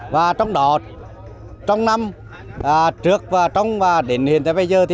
và trong đó trong năm trước và đến hiện tại bây giờ